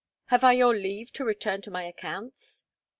Have I your leave to return to my accounts?"